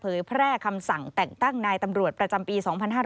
แพร่คำสั่งแต่งตั้งนายตำรวจประจำปี๒๕๕๙